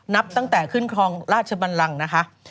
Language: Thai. นับตั้งแต่ขึ้นครองราชบันลังนะคะ